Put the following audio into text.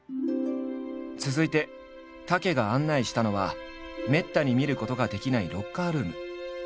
続いて武が案内したのはめったに見ることができないロッカールーム。